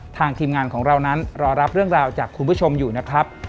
ทีมงานของเรานั้นรอรับเรื่องราวจากคุณผู้ชมอยู่นะครับ